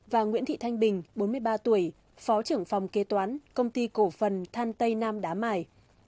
và nguyễn thị thanh bình bốn mươi ba tuổi phó trưởng phòng kế toán công ty cổ phần than tây nam đá mài